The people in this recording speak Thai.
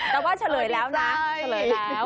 แต่ว่าเฉลยแล้วนะจ๊ะอดีตดาย